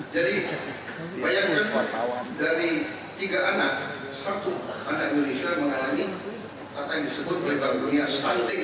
jadi bayangkan dari tiga anak satu anak indonesia mengalami apa yang disebut kelembaban dunia stunting